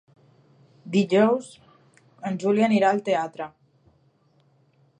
Dijous en Juli anirà al teatre.